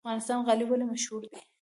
د افغانستان غالۍ ولې مشهورې دي؟